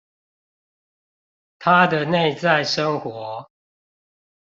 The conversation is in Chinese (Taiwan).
他的內在生活